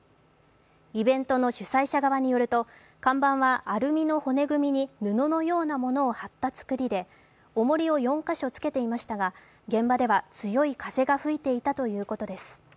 イベントの主催者側によると看板はアルミの骨組みに布のようなものを貼った造りでおもりを４か所つけていましたが現場では、強い風が吹いていたということです。